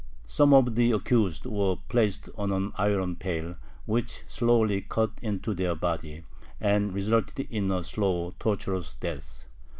Some of the accused were placed on an iron pale, which slowly cut into their body, and resulted in a slow, torturous death.